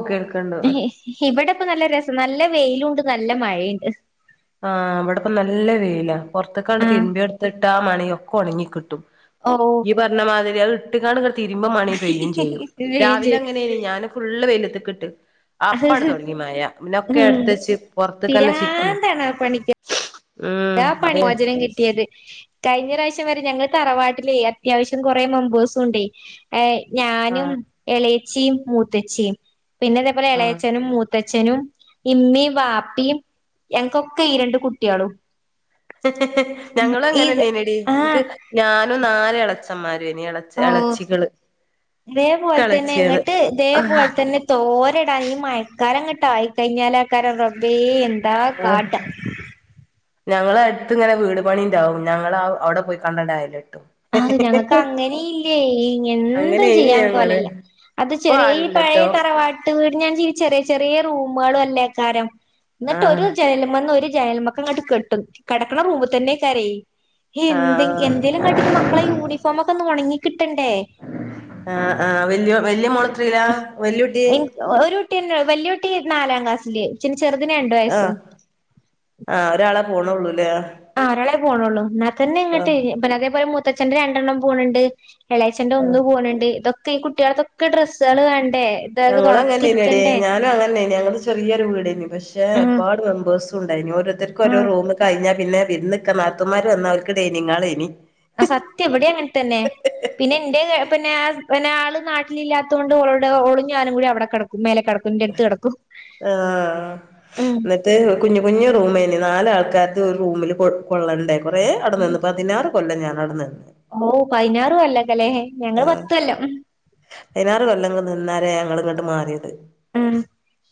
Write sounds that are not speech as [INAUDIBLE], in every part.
ഓ കേൾക്കണ്ട് ഇവിടെപ്പ നല്ല രസം നല്ല വെയിലുണ്ട് നല്ല മഴയുണ്ട് ആഹ് ഇവിടെപ്പ നല്ല വെയില പുറത്തക്കണ്ട് ആഹ് തിരുമ്പിയെ എടുത്തിട്ട മണിയ ഒക്കെ ഒണങ്ങി കിട്ടും ഓ ഈ പറഞ്ഞ മാതിരി അഹ് ഇട്ട കാണ്ട് ഇങ്ങ തിരുമ്പ മാണി പെയ്യും ചെയ്യും രാവിലെ അങ്ങനെ ഞാന ഫുള്ള് വെയ്ലത്ത്‌ ക് ട്ട് അപ്പണ്ട് തൊടങ്ങി മഴ പിന്നൊക്കെ എടുത് വച്ച് പുറത്തക്കന്നെ ചിക്കി വേറെ പണിക്ക ഉം അപ്പ ഞാൻ കിട്ടിയത് കഴിഞ്ഞ പ്രാവശ്യം വരെ ഞങ്ങളെ തറവാട്ടില് അത്യാവശ്യം കൊറെ മെമ്പേഴ്സും ഉണ്ടേ ഞാനും ആഹ് എളയച്ചിയും മൂത്തച്ചിയും പിന്നെ ഇതേ പോലെ ആഹ് എളയച്ചനു മു ത്തച്ഛനും ഇമ്മയും ബാപ്പിയും ഞങ്ങക്കൊക്കെ ഈരണ്ട് കുട്ട്യാളും ഞങ്ങളും അങ്ങനെ ഇത് നേ നടി ആഹ് ഞാനും നാല് എളച്ചന്മാരും ഇനി എളച്ച ഓഹ് ഇതേ ഇൻക്ക് പോലെ തന്നെ എളച്ചിയേള് ഇങ്ങട്ട് ഇതേ പോലെ തന്നെ തോരടാ ഈ മയക്കാലംങ്ങിട്ട ആയിക്കഴിഞ്ഞാലക്കാരം റബേ ആഹ് ഞങ്ങളട്ത്ത് ഇങ്ങനെ വീട് പണി ഉണ്ടാവും ഞങ്ങള് അവിടെ പോയി കാണ്ട അവടെ പൊയ്ക്കണ്ട അയിൽ കേട്ട് അഹ് ഞങ്ങക്ക് അങ്ങനെ ഇല്ലേ എന്തും അങ്ങനെനി ചെയ്യാൻ ഞങ്ങള് കൊലല്ല അത് ഇപ്പൊ ചെറിയ ഈ പഴയ ആരുല്ലട്ടോ തറവാ നാട്ട വീട് ഞാൻ ജീവിച്ച ചെറിയ ചെറിയ റൂമുകള അല്ലേക്കാരം എന്നിട്ട് ഒരു ആഹ് ജലമ ഒരു ജയലമ ങ്ങട്ട് കെട്ടും കെടക്കണ റൂമിൽ തന്നേയ് കാരം ആഹ് എന്തെങ്കലും കാട്ടി മ യൂണിഫോമക്കെ ഒന്ന് ഒണങ്ങിക്കിട്ടണ്ടേ ആഹ് ആഹ് വല് വല്യ മൊളത്രല വല്യ കുട്ടി ഒരു കുട്ടി വല്ല്യ കുട്ടി നാലാം ക്ലാസ്സില് ചെ ചെറുതിന് രണ്ടു വയസ്സും ആഹ് ആഹ് ഒരാളെ പോണള്ളൂല്ലേ ആഹ് ഒരാളെ പോണള്ളൂ എന്നാൽ തന്നെ ഇങ്ങട്ട് പിന്നെ അതേപോലെ മുത്തച്ഛന്റെ രണ്ടെണ്ണം പോണണ്ട് എളേച്ചന്റെ ഒന്ന് പോണണ്ട് ഇതൊക്കെ ഈ കുട്ടികൾക്കെ ഞങ്ങളും അങ്ങനെടി എടുക്കണ്ടേ. ഞാനും അങ്ങനെനി ഞങ്ങള് ചെറിയരു വീടനി പക്ഷെ ഷേ ഉം ഒരുപാട് മെമ്പേർസ് ഉണ്ടായിരുന്നു ഓരോത്തർ ഒരോ ഉം റൂം കഴിഞ്ഞാ പിന്നെ വിരുന്ന് ക്ക നാത്തൂൻ മാര് വന്ന അവർക്ക് ഡനിങ്ങാൾ എനി അഹ് സത്യ ഇവിടെയാ അങ്ങനെ തന്നെ പിന്നെ എന്റെ പിന്നെ പിന്നെ ആള് നാട്ടിലല്ലാത്തൊണ്ട്ടെ ഒലും ഓളും ഞ്ഞാനും കൂടി അവിടെ കടക്കും മേലെ കടക്കും കുന്റെ അടുത്ത് കിടക്കും ഉം അ കുഞ്ഞു കുഞ്ഞു റൂമ തന് നാല് ആൾക്കാർക്ക് ഒരു റൂമിൽ കൊ കൊള്ളണ്ടേ കുറേ അവി നിന്ന് പതിനാറ് കൊല്ലം ഞാനവിടെ നിന്ന് ഓഹ് പതിനാറ കൊല്ലക്ക ല്ലേ ഞങ്ങള് പത്തൊല്ലാം പയ്നാറ് കൊല്ലങ്ങ് നിന്നാരെ ഞങ്ങള് ഇങ്ങ്ട്ട് മാറിയത്. ഉം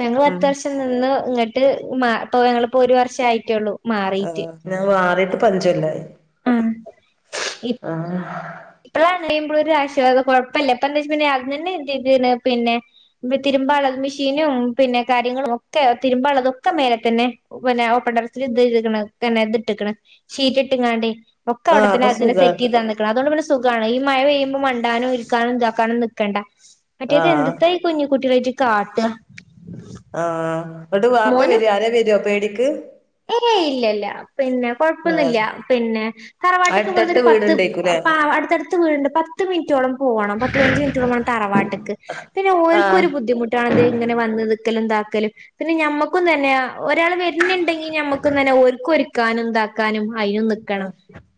ഞങ്ങള് ഉം പത്ത് വർഷം നിന്ന് ഇങ്ങട്ട് മാ ഇപ്പോ ഞങ്ങളിപ്പോ ഒരു വർഷം ആയിട്ടേള്ളൂ. മാറിയിട്ട്. ആഹ് ഞാൻ മാറീട്ട് പ്പോ അഞ്ച് കൊല്ലായി. ഉം ആഹ് ഇപ്പഴാണങ്കിപ്പോരു ആശ്വാസ. കൊഴപ്പല്ല ഇപ്പന്തേച്ചാ പിന്നെ അർജന്റ് [UNINTELLIGIBLE] പിന്നെ ന്നെ തിരുമ്പാളത് മിഷീനും പിന്നെ കാര്യങ്ങളും ഒക്കെ തിരുമ്പാള്ളതൊക്കെ മേലതന്നെ പിന്നെ ഓപ്പൺ ടെറസില് ഇതീത്ക്ക്‌ണ് പിന്നെ ഇത് ഇട്ട്ക്ക്‌ണ് ഷീറ്റ് ഇട്ടിങ്ങാണ്ടേ. ഒക്കെ ആഹ് അവടതന്നെ അപ്പൊ അതിനെ സുഖ സെറ്റീതത്. ക്ക്‌ണ്. അതോണ്ട് പിന്നെ സുഖാണ്. ഈ മഴ പെയ്യുമ്പോ മണ്ടാനും ഇരിക്കാനും ഇതാക്കാനും നിക്കണ്ട. മറ്റേത് ആഹ് എന്ത്‌ത്താ കുഞ്ഞി കുട്ടിയേളേയ്ട്ട് കാട്ട ആഹ്, ഇന്ന്ട്ട് വാപ്പ മോന് വരോ ആരേ വരോ പേടിക്ക്? ഏയ് ഇല്ലല്ല പിന്നെ ആഹ് കൊഴപ്പൊന്നില്ല. പിന്നെ തറവാട്ട്ക്ക് അടുത്തടുത്ത് ഇവ്ട്ന്നൊരു പത്ത് വീടുണ്ടേക്കൂല്ലേ പ്പാ അടുത്തട്ത്ത് വീട്ണ്ട് പത്ത് മിനിറ്റോളം പോവണം. പത്ത് പതിനഞ്ച് മിൻറ്റോളം വാണം തറവാട്ട്ക്ക്. പിന്നെ ആഹ് ഓൽക്കൊരു ബുദ്ധിമു ട്ടാണ്. ഇത് ഇങ്ങനെ വന്ന് നിക്കലും താക്കലും. പിന്നെ ഞമ്മക്കും തന്നെ ഒരാള് വര്ണ്ണ്ടെങ്കില് ഇനി ഞമ്മക്കും തന്നെ ഓൽക്കൊരുക്കാനും ഇതാക്കാനും അയ്നും നി ക്കണം.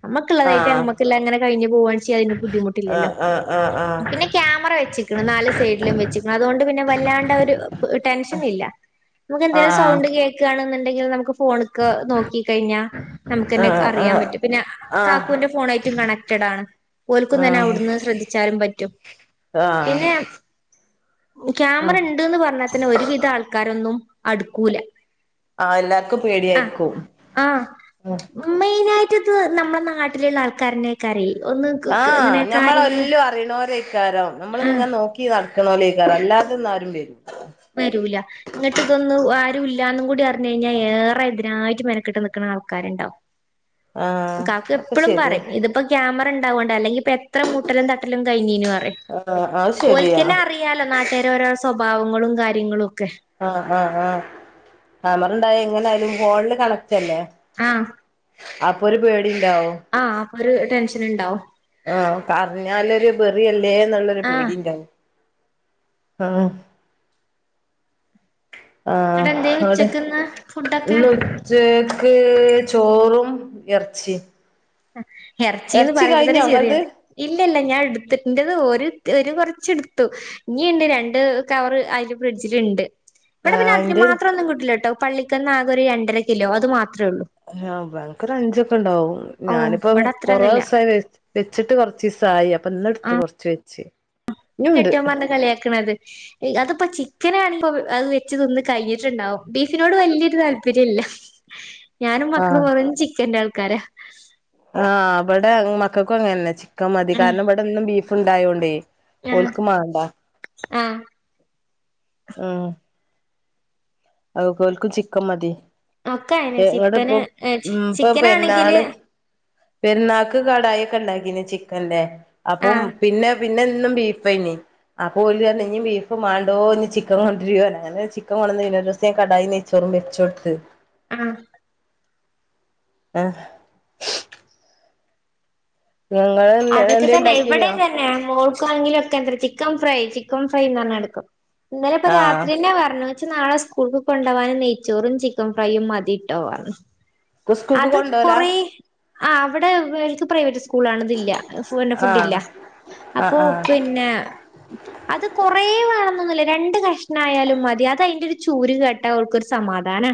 ഞമ്മക്ക്‌ള്ളതായിട്ട് ആഹ് ഞമ്മക്കെല്ലാംങ്ങനെ കഴിഞ്ഞു പോവാൺച്ച അതിന്റെ ബുദ്ധിമുട്ടില്ലല്ലോ? ആഹ് ആഹ് ആഹ് പിന്നെ ക്യാമറ വെച്ച്ക്കണ് നാല് സൈഡിലും വെച്ച്ക്ക്‌ണ്. അതോണ്ട് പിന്നെ വല്ലാണ്ട ആ ഒരു ടെൻഷന്ല്ല. നമുക്കെന്തേലും ഒര് ആഹ് സൗണ്ട് കേക്കാണ്ന്നുണ്ടെങ്കിലും നമുക്ക് ഫോണ്ക്ക്‌ നോക്കി കഴിഞ്ഞ നമുക്കന്നെ ആഹ് അറിയാ ആഹ് പറ്റും. പിന്നെ ആഹ് കാക്കൂന്റെ ആഹ് ഫോണായിട്ടും കണക്റ്റഡാണ്. ഓൽക്കും തന്നെ ആഹ് അവ്ട്ന്ന് ശ്രദ്ധിച്ചാലും പറ്റും. ആഹ് പിന്നെ ക്യാമറ ആഹ് ഇണ്ട്ന്ന് പറഞ്ഞാ തന്നെ ഒരുവിധ ആൾക്കാരൊന്നും അടുക്കൂല. ആ എല്ലാർക്കും ആഹ് പേടിയായിരിക്കും ഉം മറ്റത് നമ്മളെ നാട്ടില്ള്ള ആൾക്കാരന്നെ ക്കാരേ ഒന്ന് ആഹ് ഇങ്ങനെ കാര്യങ്ങള് ഞമ്മളെല്ലും അറീണോരേക്കാരം ആഹ് നമ്മളിങ്ങ നോക്കി ക്കി നടക്കണോലേക്കാരം അല്ലാതെന്നും ആരും വരൂ വരൂല ഇന്നട്ട് ഇതൊന്നു ആരും ഇല്ലാന്നും കൂടി അർഞ്ഞയ്ഞ്ഞാ ഏറെ ഇതിനായിട്ട് മെനക്കെട്ട് നിക്ക്‌ണ ആൾക്കാര്ണ്ടാവും. ആഹ് കാക്കു ഒക്കെ എപ്പളും ശരിയാ പറീം ഇ പ്പൊ ക്യാമറ ഇണ്ടാവോണ്ട അല്ലെങ്കിപ്പോ എത്ര മൂട്ടലും തട്ടലും കയ്ഞ്ഞീഞ്ഞുറയും. ആഹ് അത് ശരിയാ ഓൽക്കന്നെ അറി യാലോ നാട്ടേരേ ഓരോരോ സ്വഭാവങ്ങളും കാര്യങ്ങളും ഒക്കെ. ആഹ് ആഹ് ആഹ് ക്യാമറണ്ടായ എങ്ങനായാലും ഫോണില് കണക്റ്റല്ലേ? ആഹ് അപ്പൊരു പേടിണ്ടാവും. ആഹ് അപ്പൊരു ടെൻഷന്ണ്ടാവും ആഹ് പറഞ്ഞാലൊരു ബെറിയല്ലേന്നുള്ളൊരു ആഹ് പേടീണ്ടാവും. ആഹ് ഇങ്ങട്ട് ആഹ് എന്തേ അവടെ ഉച്ചക്ക്ന്ന് ഫുഡൊക്കെ ഇന്നു ച്ചേക്ക് ചോറും എറച്ചീ എർച്ചീന്ന് പറയുമ്പോതന്നെ ഇങ്ങളത് ചിറിയാണ്. ഇല്ലല്ല ഞാൻ എടുത്ത് എന്റെത് ഒരു ഒരു കൊറച്ച്ട്ത്തു. ഇഞ്ഞീണ്ട് രണ്ട് കവറ് അയ്ല് ഫ്രിഡ്ജില്ണ്ട്. ഇവിട പിന്നെ ആഹ് അതിന് ഇന്റെ മാത്രം ഒന്നും കിട്ടില്ലട്ടോ പള്ളിക്കന്ന് ആകെ ഒരു രണ്ടര കിലോ അത് മാത്രേള്ളൂ. ആഹ് ബാ ഞങ്ങക്കൊരു അഞ്ചൊക്കെണ്ടാവും. ഓ ഞാനിപ്പം ഇവിടെ അത്രയൊന്നുമില്ല കൊറോസായി വെ വെച്ചിട്ട് കൊറച്ചീസായി അപ്പൊ ആ ഇന്ന്ട്ത്ത് കൊറച്ച് വെച്ച്. ഇഞ്ഞുണ്ട് കെട്ടിയോൻ പറഞ്ഞ് കളിയാക്ക്‌ണത്. ഈ അതിപ്പോ ചിക്കനാണ്പ്പോ അത് വെച്ച് തിന്ന് കയിഞ്ഞ്ട്ട്ണ്ടാാവും. ബീഫിനോട് വല്ല്യോരു താല്പര്യംല്ല. ഞാനും മക്കളും ആഹ് വെറും ചിക്കന്റെ ആൾക്കാരാ. ആഹ് ഇവടെ മക്കൾക്കും അങ്ങനന്നെ ചിക്കൻ മതി. ഉം കാരണം ഇവടെന്നും ബീഫ് ഇണ്ടായോണ്ടേ. ആ ഒല്ക്ക് മാണ്ടാ ആ ഉം ഓല്ക്ക്‌ ചിക്കൻ മതി ഒക്കെ അയിന് ങ്ങടെ ചിക്കന് ഇപ്പൊ ഉ ഇപ്പ ചിക്കനാണെങ്കില് പെരുന്നാള് പെരുന്നാക്ക് കടായി ഒക്കെ ഉണ്ടാക്കീന് ചിക്കൻന്റെ ആ അപ്പം പിന്നെ പിന്നെ എന്നും ബീഫ്‌യെനി അപ്പൊ ഒരു ത ഇനി ബീഫ് മണ്ടോ ഇനി ചിക്കൻ കൊണ്ടിരിയോ അങ്ങനെ ചിക്കൻ കൊടത് കടയ്യ് നെയ്ച്ചോറും വെച്ചുടുത്ത് ഉം ആഹ് ഞങ്ങള് അതൊക്കെ തന്നെ ഇവിടെ തന്നെ മോൾക്കണെങ്കിലും ഒക്കെ എന്ത ചിക്കൻ ഫ്രൈ ചിക്കൻ ഫ്രൈ എന്ന് പറഞ്ഞാട്ടെ എടുക്കും ഇന്നല ഇപ്പൊ ആഹ് രാത്രിന്നെ പറഞ്ഞു ഇമ്മച്ചിയെ നാളെ സ്കൂൾക്ക് കൊണ്ടപ പോവാന് നെയ്ച്ചോറും ചിക്കൻ ഫ്രൈയും മതി ഇട്ടോ സ്കൂൾക്ക് അത് കൊറ കൊണ്ടോലാ ആ അവിടെ ഇവർക് പ്രൈവറ്റ് സ്ക് സ്കൂൾണതില്ല പി ഫുഡ് ഇല്ല ആഹ് ആഹ് അപ്പൊ ആഹ് പിന്നെ അത് കൊറേ വേണന്നൊന്നുമില്ല രണ്ട് കഷ്ണം ആയാലും മതി അത് അതിന്റെ ഒരു ചൂര് കേട്ടാ അവൾക്കൊരു സമാധാനാ.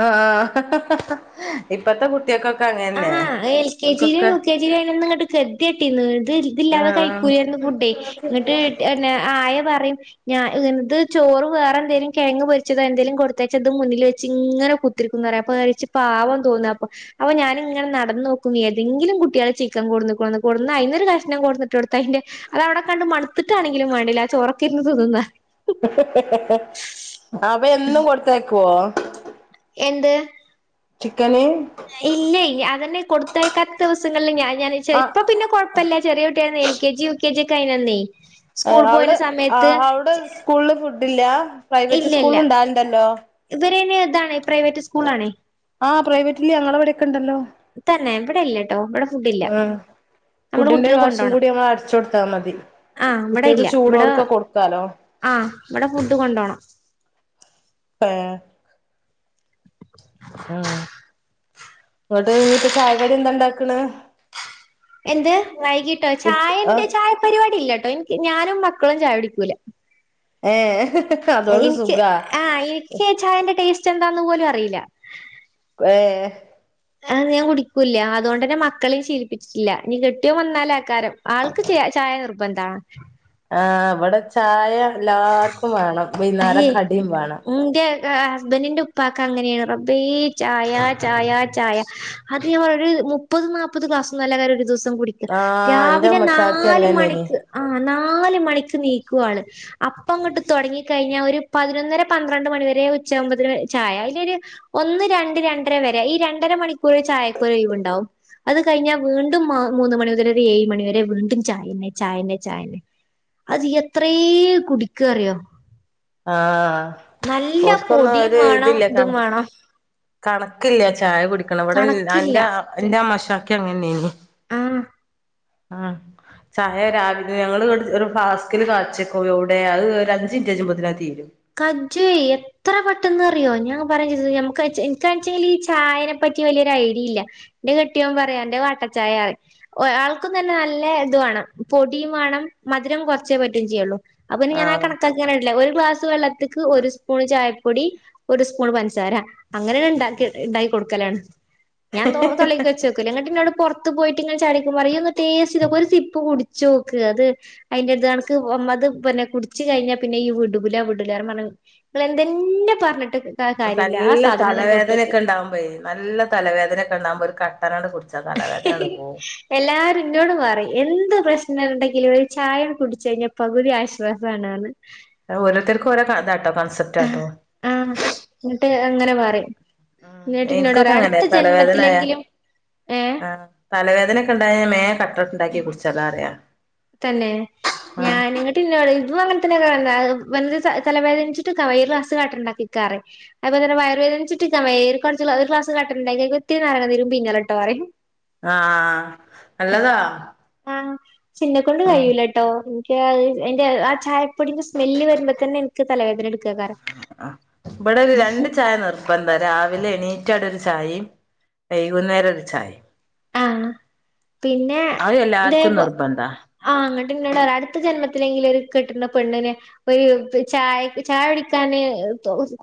ആഹ് ആഹ് ഇപ്പത്തെ കു ട്ടികക്കൊക്കെ അങ്ങ് ആഹ് എൽ കെ ജിയിലും യു കെ ജിയിലും അയിനൊന്നിക്കാട്ട് [UNINTELLIGIBLE] ഇ തില്ലാതെ ആഹ് കൈക്കൂലേർനു ഫുഡ് ഇന്നിട്ട് പിന്നെ ആയ പറയും ഞാൻ ഇങ്ങനത് ചോറ് വേറെ എന്തേലും കെഴങ്ങ് പൊരിച്ചതോ എന്തേങ്കിലും കൊടുത്തയച്ചതും മുന്നിൽ വെച്ച് ഇങ്ങനെ കു ത്തിരിക്കും പറയും [UNINTELLIGIBLE] പാവം തോന്നും അപ്പോ അപ്പ ഞാനും അങ്ങനെ നടന്ന് നോക്കും ഏതെങ്കിലും കുട്ടികള് ചിക്കൻ കൊണ്ടന്നുക്ക‌ണോന്ന് അതിനൊരു കഷ്ണം കൊണ്ടന്നിട്ട് കൊടുത്താ അതിന്റെ അത് അവിടെ കണ്ട് മടുത്തിട്ടാണെങ്കിലും വേണ്ടില്ല ആ ചോറക്കെ ഇരുന്ന് തിന്നുന്നാ. അവ എന്നും കൊടുത്തയക്കുവോ? എന്ത്? ചിക്കന് ഇല്ല അതന്നെ കൊടുത്തയക്കാത്ത ദിവസങ്ങളിൽ ഞാൻ ഞാനേച്ചാ ആഹ് ഇപ്പ പിന്നെ കൊഴ ല്ല്യ ചെറിയ കുട്ടിയാരുന്നു ന് L K G U K G ഒക്കെ അയിനന്നെ അവിടെ ആഹ് അവിടെ സ്കൂളിൽ ഫുഡില്ലാ പ്രൈവറ്റ് സ്കൂളില് ഇണ്ടാവലുണ്ടല്ലോ? ഇവരയിന് ഇതാണ് പ്രൈവറ്റ് സ്കൂൾ ആണ്. ആഹ് പ്രൈവറ്റില് ഞങ്ങളിവിടെയൊക്കെ ഇണ്ടല്ലോ? തന്നെ ഇവിടെ ഇല്ല കേട്ടോ ഇവിടെ ഫുഡ് ഇല്ല. നമ്മുടെ ഫുഡിന്റെ കുട്ടികൾ കാശും കൊണ്ടോണം കൂടി ഞമ്മള് അടച്ചു കൊടുത്താൽ മതി ആഹ് ഇവിടെ കുട്ടികൾക്ക് ഇല്ല ഇവിടെ ചൂടോടുക്ക കൊടുക്കാലോ. ആഹ് ഇവിടെ ഫുഡ് കൊണ്ടോണം. ഏഹ് ഉം എന്നിട്ട് ഇനിയിപ്പ ചായക്കടി എന്താണ്ടാക്കണ്? എന്ത് വൈകിട്ടോ ആ ചായന്റെ ചായ പരിപാടി ഇല്ലാട്ടോ എനിക്ക് ഞാനും മക്കളും ചായ കുടിക്കൂല. ഏഹ് അതോണ്ട് സുഖാ. [UNINTELLIGIBLE] ചായേന്റെ ടേസ്റ്റ് എന്താന്ന് പോലും അറിയില്ല. ഏഹ് ആഹ് ഞാൻ കുടിക്കൂല്ല്യാ അതുകൊണ്ട് തന്നെ മക്കളെയും ശീലിപ്പിച്ചിട്ടില്ല ഇനി കെട്ടിയോൻ വന്നാലെ ആക്കാരം ആൾക്ക് ച ചായ നിർബന്ധമാണ്. ആഹ് ഇവിടെ ചായ എല്ലാവർക്കും വേണം വൈന്നേരം കടിയും വേണം. ആഹ് ഹസ്ബന്റിന്റെ ഉപ്പാക്ക് അങ്ങനെയാണ് റബ്ബേ ചായ ചായ ചായ അത് ഒരു മു മുപ്പത് നാല്പ്പത് ഗ്ലാസ്സൊന്നല്ല കാര്യം ഒരു ദിവസം കുടിക്കുക ആ എന്റെ രാവിലെ ഉമ്മച്ചാക്ക് നാല് അങ്ങനെനി മണിക്ക് ആഹ് നല് മണിക്ക് ണീക്കും ആള്. അപ്പ അങ്ങോട്ട് തുടങ്ങികഴിഞ്ഞാ ഒരു പതിനൊന്നര പന്ത്രണ്ട് മണിവരെ ഉച്ചയാകുമ്പത്തേന് ചായ അതിനൊരു ഒന്ന് രണ്ട് രണ്ടര വരെ ഈ രണ്ടര മണിക്കൂർ ചായക്കൊരു ഒഴിവ് ഉണ്ടാവും. അത് കഴിഞ്ഞാൽ വീണ്ടും മാ മൂന്ന് മണി മുതല് ഏഴ് മണിവരെ വീണ്ടും ചായന്നെ ചായന്നെ ചായന്നെ. അത് എത്രേ കുടിക്കാറിയോ? ആഹ് നല്ല ഓർക്കൊന്നും പൊടിയും ഒരു വേണം ഇതില്ലേ ഇതും കണ വേണം കണക്കില്ല ചായ കുടിക്കണം ഇവിടെ കണക്കില്ല എന്റെ എന്റെ അമ്മഷാക്കെ അങ്ങനേനി. ആഹ് ആഹ് ചായ രാവിലെ ഞങ്ങള് ഒരു ഫ്ളാസ്കിൽ കാച്ചിക്കും എവുടെ അത് ഒരു അഞ്ചിനിറ്റ് കയ്യുമ്പത്തേ തീരും. [UNINTELLIGIBLE] എത്ര പെട്ടെന്ന് അറിയോ ഞാ പറഞ്ഞ ചെയ്തിക്ക് [UNINTELLIGIBLE] എനിക്കാച്ചേല് ഈ ചായനെ പറ്റി വലിയ ഒരു ഐഡിയ ഇല്ല. ന്റെ കെട്ടിയോൻ പറയും അന്റെ വാട്ടച്ചായാണ്. ഒ ആൾക്കും തന്നെ നല്ല ഇത് വേണം പൊടിയും വേണം മധുരം കുറച്ചേ പറ്റും ചെയ്യുള്ളൂ. അപ്പോ ഞാൻ ആ ആഹ് കണക്കാക്കിയങ്ങനെ ഇടലാ ഒരു ഗ്ലാസ് വെള്ളത്തിക്ക് ഒരു സ്പൂൺ ചായപ്പൊടി ഒരു സ്പൂൺ പൻസാര അങ്ങനെ ഇണ്ടാക്കി ഇണ്ടാക്കി കൊടുക്കലാണ് ഞാൻ തൊള്ളിക്ക് വെച്ച [UNINTELLIGIBLE] ഇങ്ങട്ടിന്നോട് പൊറത്ത് പോയിട്ട് ഇങ്ങന ചായുടിക്കുമ്പോ പറയും ഇയ്യൊന്ന് ടേസ്റ്റ് ചെയ്തോക്ക് ഒരു സിപ്പ് കുടിച്ചോക്ക് അത് അയ്ന്റെ ഇത് അണക്ക് അത് പിന്നെ കുടിച് കഴിഞ്ഞാ പിന്നെ ഈ വിടൂ ല്ലാരു പറഞ്ഞ എന്തെന്നെ പറഞ്ഞിട്ട് കാര്യല്ല ആ നല്ല സാധനം ഞാൻ തൊട്ടോക്കും തലവേദനൊക്കെ ഉണ്ടാപോയെ നല്ല തലവേദനയൊക്കെ ഉണ്ടാവകുമ്പോ ഒരു കട്ടനണ്ട് കുടിച്ചാ തലവേദനണ്ട് പോവും എല്ലാരും ഇന്നോട് പറിയും എന്ത് പ്രശ്നുണ്ടെങ്കിലും ഒരു ചായ കുടിച്ചു കഴിഞ്ഞാ പകുതി ആശ ശ്വാസണന്ന് ഓരോരുത്തർക്ക ഓരോതാട്ടോ കോൺസെപ്റ്റട്ടോ ആഹ് എന്നിട്ട് അങ്ങനെ പറിം ഉം എന്നിട്ട്ന്നോട് എനിക്കൊക്കെ പറയും അങ്ങനെ അടുത്ത ജന്മത്തിലെങ്കിലും ഏയ് തലവേദനൊക്കെ ഉണ്ടായാ മേ കട്ട ഉണ്ടാക്കി കുടിച്ചല്ലോ പറിയാം തന്നെ ഞാനിങ്ങ പിന്നെട് ഇതും അങ്ങനെ തന്നെ വ തലവേദനിച്ചിട്ട്ക്ക വയ്യ ഒരു ക്ലാസ്സ്‌ കട്ടൻണ്ടാക്കിക്കാ റി അത്പ തന്നെ വയർവേദനിച്ചിട്ടിക്ക വെയ് ഒരു ക്ലസ് കട്ടണ്ടെങ്ക ഉത്തിരി നരങ്ങ തീരും പിഞാലോട്ടോ അ ആഹ് നല്ലതാ ആഹ് ചെ എന്നേ ക്കൊണ്ട് ആഹ് കയൂല ട്ടോ നിക്ക് അയ്‌ന്റെ ആഹ് ചായ പ്പൊടിന്റെ സ്മെല്ല് വരുമ്പോ തന്നെ എനിക്ക് തലവേദന എട്ക്കെ കാരും അപ്പ എന്താ രാവിലെ എണീറ്റാട ഒരു ചായിം വൈകുന്നേരം ഒരു ചായിം ആഹ് പിന്നെ അയ് എല്ലാർക്കും ഇതേപോ നിർബന്ധ ആഹ് അങ്ങനട്ട്ന്നോട് പറിം അടുത്ത ജന്മത്തിലെങ്കില ഒരു കെട്ടുന്ന പെണ്ണിന് ഒരു ചായ ചായ കുടിക്കാന്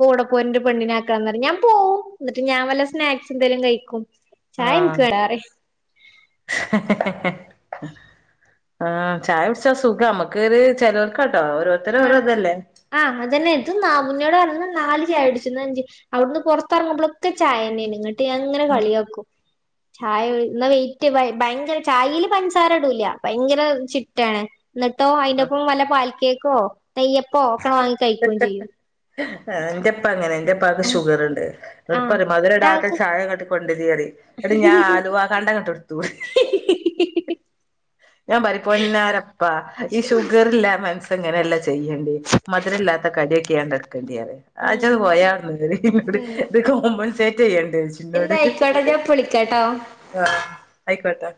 കൂടെ പോറ്നെ ഒരു പെണ്ണിനെ ആക്കണംന്ന് പറ ഞാൻ പോവും എന്നിട്ട് ഞാൻ വല്ല സ്നാക്സ് എന്തേലും കഴിക്കും ചായ് ആഹ് നിക്ക് വേണ്ടാ റിം ആഹ് ചായ കുടിച്ചാ സുഖം നമ്മക്ക് ഒരു ചിലോർക്കട്ടോ ഒരു ഒരോരുതര് ആഹ് ഇത് ല്ലേ ആഹ് അതന്നെ ത് ന മുന്നോട് പറഞ്ഞ നാല് ചായ് ടിച് ന്ന അജ് അവിടുന്ന് പൊറത്തിറങ്ങുമ്പളൊക്കെ ചായന്നെയന് അങ്ങട്ട് ഞാ ങ്ങനെ കളിയാക്കും ചായ ഇന്ന വെയിറ്റ് ഭയങ്കര ചായെൽ പൻസാര ഇടൂല ഭയങ്കര ചിട്ടാണ് എന്നിട്ടോ അയിന്റെപ്പം വല്ല പാൽക്കേക്കോ നെയ്യപ്പോ ഒക്കെ ണ്ട് വാങ്ങി കഴിക്കെ ചെയ്യും എന്റെപ്പ അങ്ങനെ എന്റെപ്പക്ക് ആഹ് ഷുഗറുണ്ട് ആഹ് എന്നിട്ട്പ്പ മധുര ഇടാത്ത ഇതാൾക്ക് ചായ ക കൊണ്ടിരി പറയും എന്നിട്ട് ഞാ ഉം ആലുവാ കണ്ടങ്ങോട്ടടുത്തു ഞാൻ പറി പ്പോന്നാരപ്പാ ഈ ഷുഗർല്ല മന അങ്ങനെയെല്ലാം ചെയ്യേണ്ട മധുരല്ലാത്ത കടിയൊക്ക ണ്ടാക്കേണ്ടി അറിം ആ ജ്ജ്ഒന്ന് പോയാട്ന്നറി ഉം എന്നോട് ഇത് കോമ്പൻസേറ്റ് ചെയ്യണ്ട ന്നോട് എന്തായിക്കോട്ടെ ഞാൻ ഇപ്പ വിളിക്കാട്ടോ ആഹ് ആയിക്കോട്ടാ